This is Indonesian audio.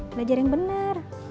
belajar yang benar